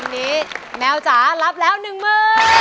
วันนี้แมวจ๋ารับแล้ว๑หมื่น